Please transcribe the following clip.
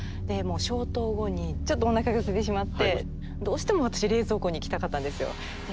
消灯後にちょっとおなかがすいてしまってどうしても私冷蔵庫に行きたかったんですよ。